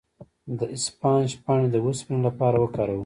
د اسفناج پاڼې د اوسپنې لپاره وکاروئ